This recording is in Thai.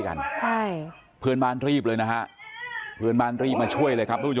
กันใช่เพื่อนบ้านรีบเลยนะฮะเพื่อนบ้านรีบมาช่วย